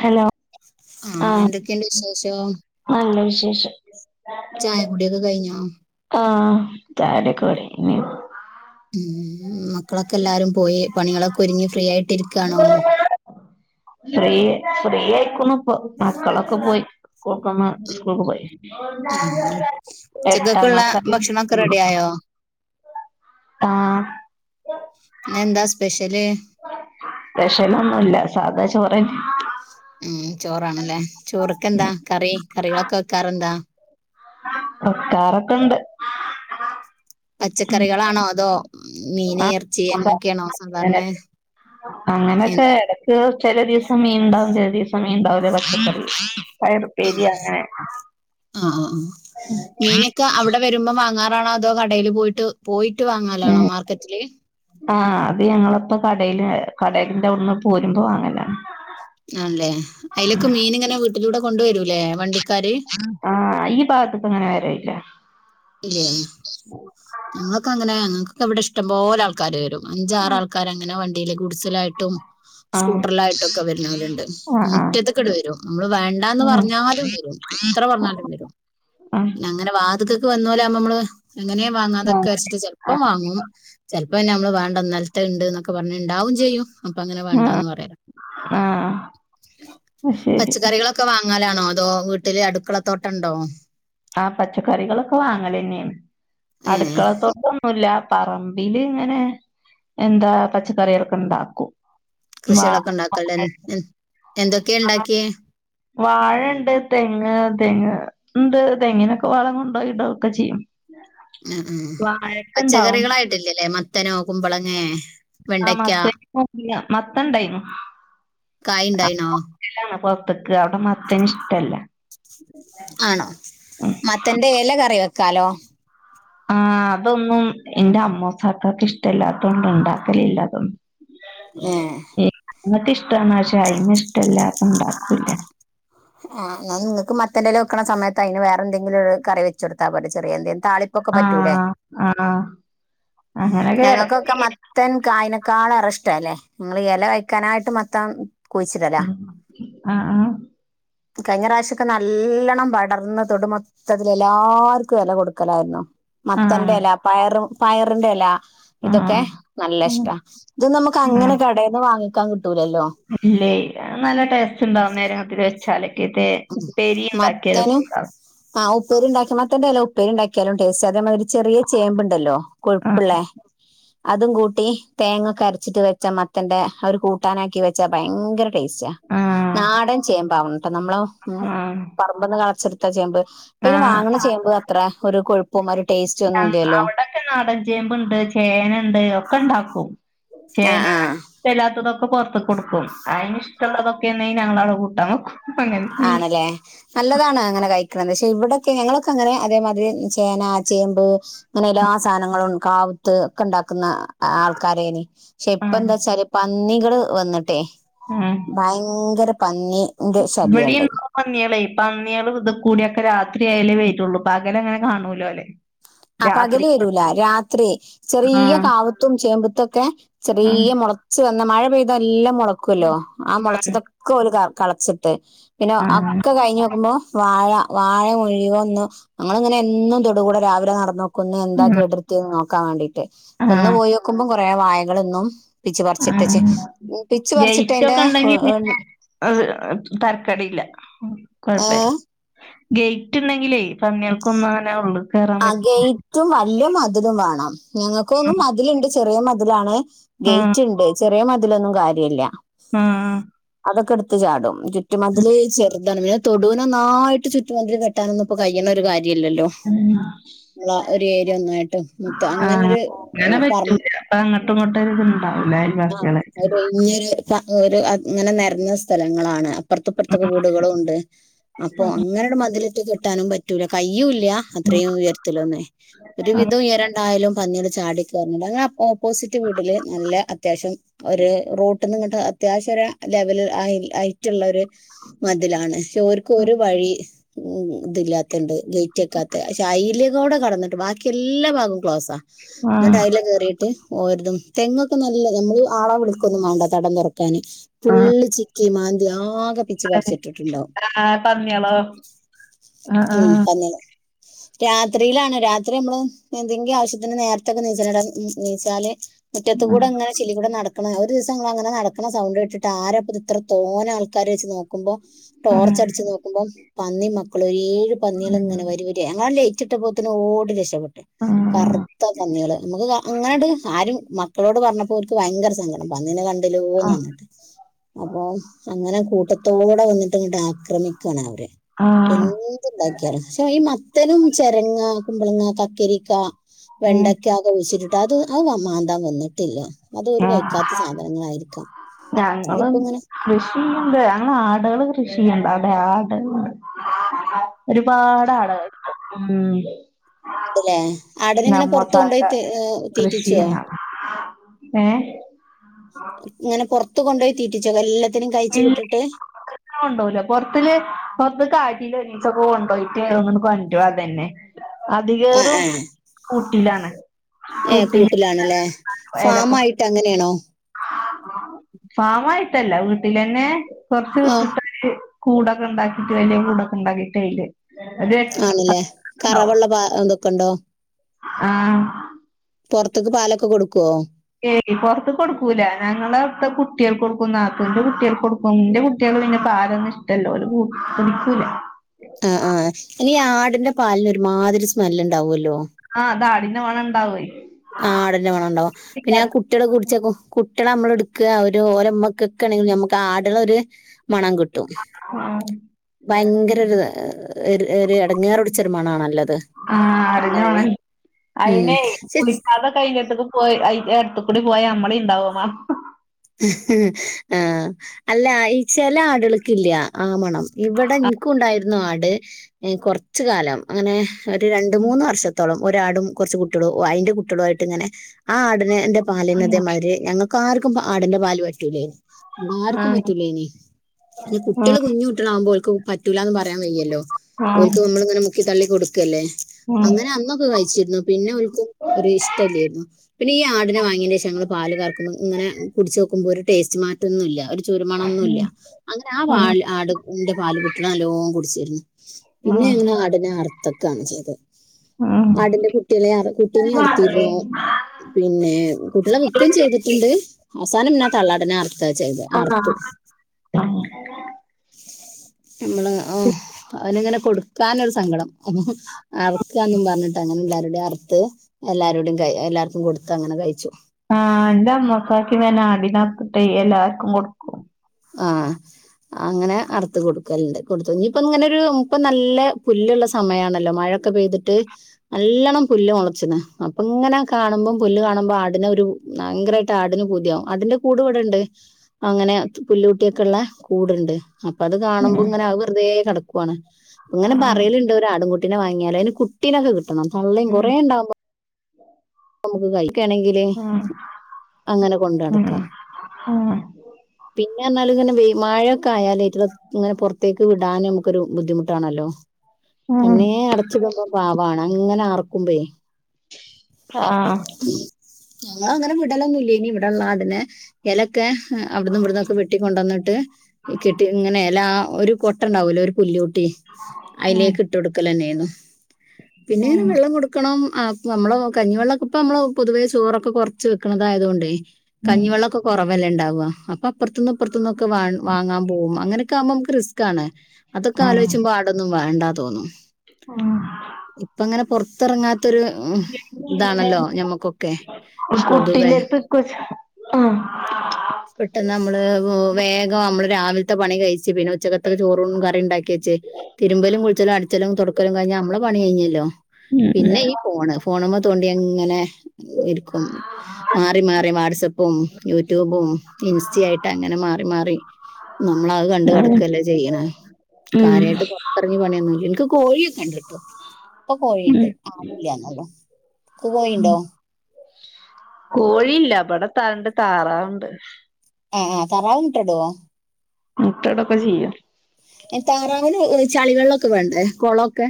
Hello ആഹ് എന്തൊക്കെയണ്ട് വിശേഷം. നല്ല വിശേഷം ചായ കുടിയൊക്കെ കഴിഞ്ഞോ ആഹ് ചായന്റെക്കെ പണി കഴിഞ്ഞു ഉ മക്കളൊക്കെ എല്ലാരും പോയി പണികളൊക്കെ ഒരുങ്ങി ഫ്രീയായി ഫ്രീ ഫ്രീ ആയിക്കുണു ഇപ്പോ മക്കളൊക്കെ പോയി കോക്കമ സ്ക്കുൾക്ക് പോയി ഉം എട്ടാ ഉച്ചക്കൊക്കെയുള്ള മാസ ഭക്ഷണൊക്കെ റെഡി ആയോ [unintelligible] ആഹ് ഇന്നെന്താ സ്പെഷ്യല് സ്പെഷ്യലൊന്നുല്ല സാധാ ചോറന്നെ ഉം ചോറാണ്ല്ലേ ചോറ്ക്കെന്താ കറി കറികളൊക്കെ വെക്കാറന്താ വെക്കറൊക്കെണ്ട് പച്ചക്കറികളാണോ അതോ മീന് ആഹ് എർ ച്ചി എന്താ അങ്ങനെയൊക്കെയാണോ സാധാരണ അങ്ങനെ അങ്ങനൊക്കെ എന്താണ് എടക്ക് ചെല ദിവസം മീൻണ്ടാവും ചെല ദിവസം മീനുണ്ടാവുല്ല പച്ചക്കറി പയർ ഉപ്പേരി ആഹ് അങ്ങനെ ആഹ് ആഹ് ആഹ് മീനൊക്കെ അവിടെ വരുമ്പോം വാങ്ങാറാണോ അതോ കടയില് പോയിട്ട് പോയിട്ട് ഉം വാങ്ങാലാണോ മാർക്കറ്റില് ആഹ് അത് ഞങ്ങളപ്പ കടേയില് കടേലിന്റെ ഔട്ന്ന് പോരുമ്പോ വാങ്ങലാണ് ആണ്ല്ലേ ഐലൊക്കെ മീന്ങ്ങനെ വീട്ടിലൂടെ കൊണ്ടുവരൂല്ലേ വണ്ടിക്കാര് ആഹ് ഈ ഭാഗത്ത്ക്കങ്ങനെ വരേല്ല ഇല്ലേ ഞങ്ങളൊക്കങ്ങനെ ഞങ്ങൾക്കൊക്കെ വടെ ഇഷ്ട്ടം പോലെ ആൾക്കാര് വെരും അഞ്ചാറാ ൾക്കാരങ്ങനെ വണ്ടിയില് ഗുഡസിലായ്ട്ടും ആഹ് സ്കൂട്ടറിലായ്ട്ടും ഒക്കെ വര്നോല്ണ്ട് ആഹ് ആഹ് മുറ്റത്ത്ട് വെരും ഞമ്മള് വേണ്ടാന്ന് ഉം പർഞ്ഞാലും വെരും. എത്ര പർഞ്ഞാലും വെരും. ഉം അങ്ങനെ വാത്ക്കക്ക് വന്നോലാവുമ്പപ്പ ഞമ്മള് എങ്ങനേ വാങ്ങാതക്ക് ച്ച്ട്ട് ചെൽ പ്പം ആഹ് വാങ്ങും ചെൽപ്പോന്നമ്മള് വേണ്ട ഇന്നൽത്തെണ്ട് ന്നൊക്കെ പർഞ്ഞ് ണ്ടാവും ചെയ്യും അപ്പ അങ്ങനെ വേണ്ടാന്ന് പറയും ആഹ് അത് ശരി പച്ചക്കറികളൊ ക്കെ വാങ്ങലാണോ അതോ വീട്ട്ല് അട്ക്കള തോട്ടണ്ടോ? ആഹ് പച്ചക്കറികളൊക്കെ വാങ്ങലെന്നേണ് ഏഹ് അട്ക്കളത്തോട്ടം ന്നൂല്ല പറമ്പില് ഇങ്ങനെ എന്താ പച്ചക്കറികളൊക്കെണ്ടാക്കും കൃഷ്യാളൊക്കെ ണ്ടാക്കല്ണ്ട് എന്തൊക്കേ ണ്ടാക്ക്യേ വാഴണ്ട് തെങ്ങ് തെങ്ങ് ണ്ട് തെങ്ങിനൊക്കെ വളം കൊണ്ടോയി ഇടൊക്കെ ചെയ്യും ആഹ് ആഹ് വാഴക്കണ്ടാവും പച്ചക്കറികളായിട്ടില്ലല്ലേ മത്തനോ കുമ്പളങ്ങേ വെണ്ടയ്ക്ക ഇല്ല മത്തൻണ്ടയ്ഞ്ഞു കായ്ണ്ടയ്നോ [unintelligible] ക്കലാണ് പൊർത്ത്ക്ക് അവടെ മത്തന്ഷ്ട്ടല്ല ആണോ മത്തന്റെ എല കറി വെക്കാലോ ആഹ് അതൊന്നും ഇന്റെ അമ്മോശാക്കാക്ക് ഇഷ്ട്ടല്ലാത്തോണ്ട് ണ്ടാക്കലില്ല അതൊന്നും ഏഹ് ഞങ്ങക്കിഷ്ട്ടാണ് പക്ഷേ ഐനിഷ്ട്ടല്ല അപ്പ ണ്ടാകൂല ആഹ് ന്നാലും ങ്ങക്ക് മത്തന്റെല വെക്ക്ണ സമയത്ത് ഐന് വേറെന്തെങ്കിലും ഒരു കറി വെച്ച് കൊട്ത്താ പോരെ ചെറിയ എന്തേലും താളി പ്പൊക്കെ പറ്റൂലെ ആഹ് ആഹ് അങ്ങനൊക്കെ എടക്ക് ഞങ്ങക്കൊക്കെ ചെയ്യും മത്ത മത്തൻ കായ് നക്കാളേറെ ഷ്ട്ടം എലേ ഞങ്ങള് എല കയ്ക്കാനായ്ട്ട് മത്തം കുയ്ച്ച്ടലാ ആഹ് ആഹ് കഴിഞ്ഞ പ്രാവശക്കെ നല്ലണ്ണം പടർന്ന് തൊടു മൊത്തത്തിൽ എല്ലാർക്കും എല കൊട്ക്കലായിര്ന്നു ആഹ് മത്തന്റെല പയറ് പയറ്ന്റെല ഇതൊക്കെ ആഹ് നല്ല ഉം ഇഷ്ട്ടാ ഇതൊന്നും നമ്മക്കങ്ങനെ കടേന്ന് വാങ്ങിക്കാൻ കിട്ടൂലല്ലോ അല്ലേയ് നല്ല ടേസ്റ്റ്ണ്ടാവും ന്നേരങ്ങത്തില് ച്ചാല് പിന്നെ ഉപ്പേരിണ്ടാക്കിയാ രസണ്ടാവും ആഹ് ഉപ്പേരിണ്ടാക്കിയ മത്തന്റെല ഉപ്പേരിണ്ടാക്യാലും ടെസ്റ്റാ അതേമാതിരി ചെറിയ ചേമ്പ്ണ്ടല്ലോ ആഹ് കൊഴ്‌പ്പ്ള്ളെ അതും കൂട്ടി തേങ്ങക്കെ അരച്ച്ട്ട് വെച്ചാ മത്തന്റെ ഒര് കൂട്ടാനാക്കി വെച്ചാ ഭയങ്കര ടേസ്സാ ആഹ് നാടൻ ചേമ്പാവണട്ടോ നമ്മളെ പറ മ്പ്ന്ന് കളച്ചെട്ത്ത ചേമ്പ് ഇപ്പാ ഈ ആഹ് വാങ്ങണ ആഹ് ചേമ്പ് അത്ര ഒരു കൊഴുപ്പും ഒരു ടേസ്റ്റോന്നും ഇല്ലല്ലോ ഇൻക്ക് നാടൻ ചേമ്പ്ണ്ട്, ചേനണ്ട് ഒക്കെണ്ടാക്കും ആഹ് ചേന ആഹ് ഇഷ്ട്ടല്ലാത്തതൊക്കെ പൊർത്ത്ക്കൊട്ക്കും ഐന് ഇഷ്ട്ടള്ളതൊക്കേണങ്കി ഞങ്ങളങ്ങട്ട് കൂട്ടാം വെക്കും അങ്ങനെ ആണ്ലേ നല്ലതാണ് അങ്ങനെ കഴിക്ക്ണത് പക്ഷെ ഇവടെക്കെ ഞങ്ങളൊക്കെ അങ്ങനെ അതേമാതിരി ചേന, ചേമ്പ് അങ്ങനെല്ലാ സാനങ്ങളും കാവ് ത്ത് ഒക്കെ ണ്ടാക്ക്ന്ന ആൾക്കാരേന് പക്ഷെ ആഹ് ഇപ്പന്താച്ചാല് പന്നികള് വന്ന്ട്ടേ ഉം ഭയങ്കര പന്നിന്റെ ശ് വടീ [unintelligible] പന്ന്യേളെയ് പന്ന്യേള് ത്കൂട്യെക്കെ രാത്രയാലേ വരുള്ളൂ പകലങ്ങനെ കാണൂലോലെ ആഹ് പകല് വെരൂല രാത്രി ചെറിയ ആഹ് കാവ്ത്തും ചേമ്പ്ത്തൊക്കെ ആഹ് ചെറീയ മൊ ളച്ച് വന്ന മഴ പെയ്ത എല്ലം മൊളക്കോലോ ആ മൊളച്ചതൊക്കെ ഓല് കളച്ച്ട്ട് പിന്നെ ആഹ് അക്ക കൈഞ്ഞോക്ക്മ്പോ വാഴ വാഴ മുഴിവന്ന് ഞങ്ങളിങ്ങനെ എന്നും തൊടുകൂടെ രാവിലെ നടന്നോക്കുന്ന് എന്താ കേട് ത്തിയെ നോക്കാൻ വേണ്ടീട്ട് ഇപ്പന്ന് ആഹ് പോയി വോക്കുമ്പോ കൊറെ വായകള്ന്നും പിച്ച് പറിച്ചിട്ട്ച്ചേ ആഹ് പിച്ച് പറിച്ചിട്ട് ഗേറ്റ് അതിന്റെ ഒക്കെ ഉണ്ടെങ്കി പിന്നെ അത് തരക്കടില്ല ഏ കുഴപ്പല്ല ഗേറ്റ്ണ്ടെങ്കിലേ പന്നിയർക്ക് ഒന്നുങ്ങനെ ഉള്ളൂ ആഹ് ഗേറ്റും വലിയ മതിലും വേണം ഞങ്ങൾക്കൊന്നും മതിലുണ്ട് ചെറിയ മതിലാണ് ആഹ് ഗേറ്റ് ഉണ്ട് ചെറിയ മതിലൊന്നും കാര്യില്ല ആഹ് അതൊക്കെടുത്ത് ചാടും ആഹ് ചുറ്റുമതില് ചെറുതാണങ്കില് തൊടുനൊന്നായിട്ട് ചുറ്റുമതില് കെട്ടാനൊന്നുംപ്പോ കഴിയുന്നൊരു കാര്യല്ലല്ലോ [inaudible] ഉള്ള ഒരു ഏരിയ ഒന്നായിട്ട് മൊത്ത അങ്ങനൊരു പറ അപ്പങ്ങോട്ടുംങ്ങോട്ടും ഇത് ഇണ്ടാവുലേ ആഹ് ഒരു ഒഴിഞ്ഞൊരു ഒരു അങ്ങനെ നിരന്ന സ്ഥലങ്ങളാണ് അപ്പറത്തുപ്പുറത്തൊക്കെ വീടുകളുണ്ട് അപ്പോ അങ്ങനെയാണ്ട് മതിലിട്ട് കെട്ടാനും പറ്റൂല കയ്യുല്ല അത്രയും ഉയരത്തിലുന്നേ ഒരു ആഹ് വിധം ഉയരണ്ടായാലും പന്നീകള് ചാടി കയറണ്ട് ഞ്ഞങ്ങളെ ഓപ്പോസിറ്റ് വീട്ടില് നല്ല അത്യാവശ്യം ഒരു റോട്ട് ട്ട്ന്ന്ങ്ങട്ട് അത്യാവശ്യം ലെവല് ഹൈറ്റുള്ള ഒരു മതിലാണ് ഒരു വഴി ഇത് ഇല്ലാത്തണ്ട് ഗേറ്റ്ക്കാത്ത പക്ഷെ അയ്ല് കൂടെ കടന്നിട്ട് ബാക്കി എല്ലാ ഭാഗവും ക്ലോസാ എന്നിട്ട് ആഹ് അതിലെ കേറിട്ട് ഓരതും തെങ്ങൊക്കെ നല്ലതാ നമ്മള് ആളെ വിളിക്കൊന്നും വേണ്ട തടം തുറ ക്കാന് ആഹ് ഫുളള് ചിക്കി മാന്തി ആകെ പിച്ചിപറിച്ചിട്ടിട്ടുണ്ടാവും ആഹ് പന്നികളോ ആഹ് ഉം ആഹ് പന്നി രാത്രിയിലാണ് രാത്രി നമ്മൾ എന്തെങ്കിലും ആവശ്യത്തിന് നേരത്തെൊക്കെ നീച്ചട നീച്ചാല് മുറ്റത്ത് ഉം കൂടെ അങ്ങനെ ചിലി കൂടെ നടക്കണം ഒരു ദിവസം അങ്ങനെ നടക്കണം സൗണ്ട് കെട്ടിട്ട് ആരപ്പ ഇത്ര തോനെ ആൾക്കാരെ വെച്ച് നോക്കുമ്പോ ഉം ടോർച്ച് അടിച്ച് നോക്കുമ്പോം. പന്നി മക്കളും. ഏഴ് പന്നികള ഇങ്ങനെ വരിവരിയായി ഞങ്ങളൾ ലൈറ്റ് ഇട്ടിട്ടാപത്തിന് ഓടി രക്ഷപ്പെട്ട് ആഹ് കറുത്ത പന്നികള് നമുക്ക് അങ്ങനെയണ്ട് ആരും മക്കളോട് പറഞ്ഞ പറഞ്ഞപ്പോ ഓല്ക് ഭയങ്കര സങ്കടം. പന്നി നെ കണ്ടില്ലോന്ന് ആഹ് വന്നിട്ട് അപ്പോ അങ്ങനെ കൂട്ടത്തോടെ വന്നിട്ട് ഇങ്ങോട്ട് ആക്രമിക്കണ അവര് ആഹ് എന്ത്‌ ഉണ്ടാക്കിയാലും പക്ഷേ ഈ മത്തനും ചരങ്ങ കുമ്പളങ്ങ കക്കേരിക്ക ഉം വെണ്ടയ്ക്കാ [unintelligible] ഇ ട്ടിട്ട് അത് ആ മാന്തൻ വന്നിട്ടില്ല. അതൊരു കഴിക്കാത്ത സാധനങ്ങളായിരിക്കാം. ഞങ്ങളും. അതിപ്പോ ഇങ്ങനെ കൃഷിചെയ്യുന്നു ണ്ട്. ഞ്ഞങ്ങൾ ആടു കളെ കൃഷിചെയ്യുന്നുണ്ട്. അവിടെ ആടു കൾ ഒരുപാടു ആ ടുകളെ കിട്ടും. ഉം. ല്ലേ ആടിനെ ഇങ്ങനെ പുറത്തു നമ്മസാക്ക കൊണ്ടുപോയി തീറ്റിച്ചോ? ഏ. ഇങ്ങനെ പൊറത്ത് കൊണ്ടു പോയി തീറ്റിച്ചോഎല്ലാത്തിനും കഴിച്ചു വിട്ടിട്ട് കൊണ്ടോല പോറത്തിൽ ആയിച്ചയിൽ ഒരിസമൊക്കെ കൊണ്ടോയിട്ട് ഒന്ന് ഇങ്ങട്ടു കൊണ്ടരും അതെന്നെ. ആ അധികേറും ആ കൂട്ടിലാണ്. ഏ, കൂട്ടിലാണല്ലേ ഫാാം ആയിട്ട് അങ്ങനെയാണോ. ഫാമ യിട്ടല്ല വീട്ടിൽന്നെ കൊറച്ച് ആ വിട്ടിട്ട് കൂടൊക്കെ ഉണ്ടാക്കിട്ട് വലിയ കൂടൊക്കെ ഉണ്ടാക്കിട്ട് അയിൽ അതെ ആണല്ലേ. കറവുള്ള പാലുള്ളത് ഒക്കെ ഉണ്ടോ? ആ. പോറത്തെക്ക് പാലൊക്കെ കൊടുക്കുവോ. ഏയ്, പുറത്ത്ക്ക് കൊടുക്കൂല. ഞങ്ങളെ അവി ടുത്തെ കുട്ടികൾ ക്ക് കൊടുക്കും. നാത്തൂന്റെ കുട്ടികൾക്ക് കൊടുക്കും. അപ്പോ എന്റെ കുട്ടികൾക്ക് പാൽ ഒന്നും ഇഷ്ടല്ല ഒൽ കുടിക്കൂല. ആ, ആ, ഇനി ഈ ആടിന്റെ പാലിന് ഒരുമാതിരി സ്മെല്ല് ഉണ്ടാവുമല്ലോ. ആ, അതാ ആടി ന്റെ മണം ഇണ്ടാവേ ആ, ആടി ന്റെ മണം ഉണ്ടാവും. പിന്നെ ആ കു കുട്ടികളെ പുടിച്ചവെക്കും. കുട്ടിആളെയേ നമ്മൾ എടുക്കാ ഒലെ ഉമ്മവെക്ക. നമ്മുക്ക് ആടുകളെ ഒര് - - മണം കിട്ടും. ആഹ [unintelligible] ഭയങ്കര ഒരു ഇടങ്ങാറൊടിച്ചൊരുമണണ് ല്ലോ അത്. ആ, ആടിന്റെ മണം ഉം അയിനെ പക്ഷെ കുളിക്കാതെ അയിന്റെയ് അടുത്തു ക്കൂടി പോയ നമ്മള്ളീം ഉണ്ടാവും ആ മണം. ആ, അല്ല. ഈ ചില ആടുകൾക്കില്ല ആ മണം. ഇവിടെ എനിക്കു ണ്ടായിരുന്നു ആട് കൊറച് കാലം. അങ്ങനെ ഒരു രണ്ട് മൂന്ന് വർഷത്തോളം. ഒരാടും കുറച്ച് കുട്ടികളും അയിന്റെ കുട്ടികളും ആയിട്ട് ഇങ്ങനെ. ആ ആടിന്റെ പാലിന് ഇതേ ആഹ് മാതിരി ഞങ്ങൾ ആർക്കും ആടിന്റെ പാല് പറ്റൂലേ. ആർക്കും ആഹ് പറ്റൂലനിം. കുട്ടികൾ കുഞ്ഞു കുട്ടികളവുമ്പോൾ ഓൽ ക് പറ്റൂല എന്ന് പറയാൻ വ യ്യല്ലോ. ആഹ് ഓൽ ആഹ് ക്ക് നമ്മൾ ഇങ്ങനെ കലക്കി തള്ളി കൊടുക്കല്ലേ. ഉം അങ്ങനെ അന്നൊക്കെ കഴിച്ചിരുന്നു. പിന്നെ ഒൽക്ക് ഒരു ഇഷ്ടല്ലായിരുന്നു. പിന്നെ ഈ ആടി നെ വാങ്ങിയന് ശേഷം ങ്ങങ്ങള് പാല് കർക്കുമ്പോ ഇങ്ങനെ കുടിച്ചു നോക്കുമ്പോ ഒരു ടേസ്റ്റ് മാറ്റം ഒന്നും ഇല്ല. ചുരുമണൊന്നുംല്ല അങ്ങനെ ആ ഉം പാൽ ആടിന്റെ പാല് കുട്ടികള് നല്ലോ കുടിച്ചിന്ന് പിന്നെ ആഹ് എങ്ങനെ ആടിനെ അർത്തൊക്കാണ് ചെയ്തത് ആഹ് ആടിന്റെ കുട്ടി നെ കുട്ടിനെ ആഹ് അറത്തിയിരുന്നു പിന്നെ കുട്ടികളെ വ്ക്കും ചെയ്തിട്ടുണ്ട് അവസാനം പിന്നെ തള്ളാട് നെ അർത്ത ചെയ്ത് അർത്തു ആ നമ്മള് ആഹ് അവന്ങ്ങനെ കൊടുക്കാനൊരു സങ്കടം അ അർക്കന്നും പറഞ്ഞിട്ട് അങ്ങനെ എല്ലാവരുടെയും അർത്ത് എല്ലാരു കുടെയും ക എല്ലാർക്കും കൊടുത്ത് അങ്ങനെ കഴിച്ചു ആഹ് എന്താ അമൊസാക്കി ഇങ്ങനെ അടിനാർത്ത്ട്ടെ എല്ലാവർക്കും കൊടു ആഹ് അങ്ങനെ അറത്ത് കൊടുക്കലുണ്ട് കൊടുത്തു ഇയിപ്പ ഇങ്ങനെ ഒരു ഇപ്പൊ നല്ല പുല്ലുള്ള സമയമാണല്ലോ മഴ ഒക്കെ പെയ്തിട്ട് നല്ലോണം പുല്ല് മുളച്ചന്ന് അപ്പ ഇങ്ങനെ കാണുമ്പോം പുല്ല് കാണുമ്പോ ആടിന ഒരു ഭയങ്കരമായിട്ട് ആടിന് പൂതിയാവും അടിന്റെ കൂട് ഇവിടെണ്ട് അങ്ങനെ പുല്ലൂട്ടിയൊക്കെ ഉള്ള കൂടുണ്ട് അപ്പൊ അത് കാണുമ്പോ ഉം ഇങ്ങനെ വെറുതെ കിടക്കുവാണ് ഇങ്ങനെ ആഹ് പറയലുണ്ട് ഒരാടുംകുട്ടിനെ വാങ്ങിയാലൊ അതിന് കുട്ടിനെക്കെ കിട്ടണം തള്ളയും ഉം കുറേണ്ടാവുമ്പോ നമുക്ക് കഴിക്കണെങ്കില് ഉം അങ്ങനെ കൊണ്ട നടക്കാം ആഹ് പിന്നെ എന്നാലും ഇങ്ങനെ വ മഴയൊക്കെ ആയാലൽ റ്റ ഇങ്ങനെ പുറത്തേക്ക് വിടാനും നമുക്കൊരു ബുദ്ധിമുട്ടാണല്ലോ ഉം തന്നെ അടച്ചിട്ടക്ക പാവമാണ് അങ്ങനെ ആർക്കുമ്പേ ആഹ് ഞങ്ങ അങ്ങനെ വിടലൊന്നുംല്ലനി ഇവിടെള്ളെ ആടിനെ ഇലക്കെ അവിട്ന്നും ഇവിടുന്നന്നൊക്കെ വെട്ടി കൊണ്ട് വന്നിട്ട് കെട്ടി ഇങ്ങനെല്ല ആ ഒരു കൊട്ട ഉണ്ടാവൂലോ ഒരു പുല്ല കുട്ടി ട്ടി ഉം അതിലേക്ക് ഇട്ട കൊടുക്കന്നെയാണ് പിന്നെ ഞാ ഉം വെള്ളം കൊടു ക്കണം നമ്മള കഞ്ഞിവെള്ളംക്കെ ഇപ്പ നമ്മള് പൊതുവെ ചോറൊക്കെ കുറച്ച് വെക്കണതായതുകൊണ്ടേ ഉം കഞ്ഞിവെള്ളംക്കെ കുറവല്ലേ ഉണ്ടാവുവവാ അപ്പൊ അപ്പറത്തന്നും അപ്പറത്തന്നൊക്കെ വാങ്ങാൻ പോകും അങ്ങനൊക്കെ ആുമ്പോ നമു റിസ്ക്ക് ആണ് അതൊക്കെ ആലോചുമ്പോ അതൊന്നും വേണ്ടാ തോന്നുന്നു ആഹ് ഇപ്പ അങ്ങനെ പൊറത്തിറങ്ങാത്തൊരു പൊതുവെ കുട്ടിതേട്ത്കൊ ആഹ് പെട്ടെന്ന് നമ്മള് വേഗം നമ്മള് രാവിലത്തെ പണി കഴിച്ച് പിന്നെ ഉച്ചക്കത്തക്കെ ചോറും കറി ഉണ്ടാക്കി വച്ച് തിരുമ്പലും കുളിച്ചലും അടിച്ചലും തുടക്കലും കഴിഞ്ഞാ നമ്മള് പണി കഴിഞ്ഞല്ലോ ഉം പിന്നെ ഈ ഫോണ് ഫോണ തോണ്ടി അങ്ങനെ ഇരിക്കും മാറി മാറി വാട്സപ്പും യൂട്യൂബും ഇൻസ്റ്റയിട്ട് അങ്ങനെ മാറി മാറി നമ്മള് അത് കണ്ട് അങ്ങനെ കിടക്കല്ല ചെയ്യണെ ഉം കാര്യമായിട്ട് ഇറങ്ങി പണന്ന് എനിക്ക് കോഴിയ കണ്ട കിട്ടോ അപ്പൊ കോഴിയുണ്ട് ഉം ആടില്ലന്നള്ളോ അൻക്ക് കോഴിണ്ടോ കോഴിയില്ല അവിടെത്താണ്ട് താറാവുണ്ട് ആഹ് ആ താറാവ് മുട്ട ഇടോ മുട്ടടൊക്കെ ചെയ്യും താറാവിന് ചളി വെള്ളം ഒക്കെ വേണ്ടേ കുളമൊക്കെ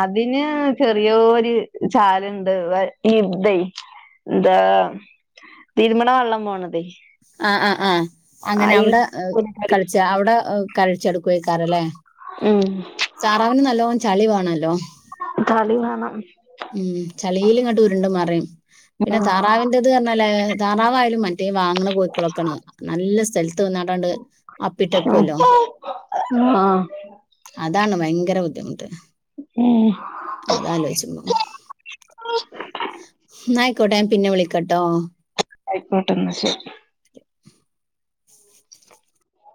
അതിന് ചെറിയ ഒരു ചാലുണ്ട് ഈത് ഇതാ തീരുമ്പ് ന വെള്ളം പോണത് ആഹ് ആഹ് ആഹ അങ്ങനെ അവിടെ കളി കളിച്ച അവിടെ കളിച്ച നടക്കുവായിരിക്കുവല്ലേ ഉം താറാവിന് നല്ലോണം ചളി വേണല്ലോ കളി വേണം ഉം ചളില്ങ്ങോട്ട് ഉരുണ്ട മറിയും പിന്നെ ഉം താറാവിന്റെ ഇൻ്റേത് താറാവ് ആയാലും മറ്റേ വാങ്ങണ കോഴളൊക്ക നല്ല സ്ഥല ത്ത് വന്നാണ്ട് അങ്ങട്ട് അപ്പിട്ടെക്കുവല്ലോ ആഹ് അതാണ് ഭയങ്കര ബുദ്ധിമുട്ട് ഉം അതലോചിച്ച്പ [unintelligible] അയിക്കോട്ടെ ഞാൻ പിന്നെ വിളിക്കട്ടോ ആയിക്കോട്ടന്ന് ശരി [inaudible] [inaudible]